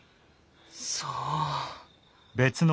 そう。